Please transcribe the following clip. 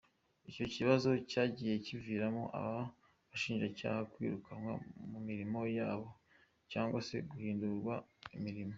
Icyo kibazo, cyagiye kiviramo abo bashinjacyaha kwirukanwa ku mirimo yabo, cyangwa se guhindurirwa imirimo!!!